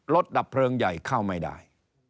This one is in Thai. ดับเพลิงใหญ่เข้าไม่ได้